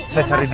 saya cari di